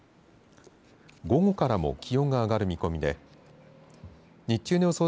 午後からも気温が上がる見込みで日中の予想